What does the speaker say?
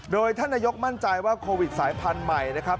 โดยท่านนายกมั่นใจว่าโควิดสายพันธุ์ใหม่นะครับ